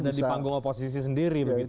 ada di panggung oposisi sendiri